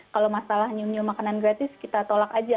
kalau masalahnya punya makanan gratis kita tolak aja